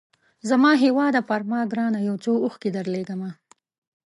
زما هیواده پر ما ګرانه یو څو اوښکي درلېږمه